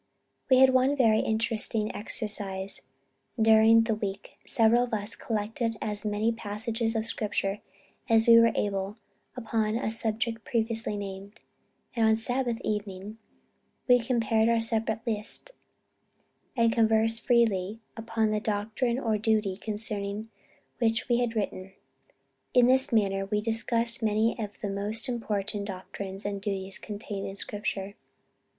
We had one very interesting exercise, during the week several of us collected as many passages of scripture as we were able, upon a subject previously named; and on Sabbath eve, we compared our separate lists, and conversed freely upon the doctrine or duty concerning which we had written. In this manner we discussed many of the most important doctrines and duties contained in Scripture.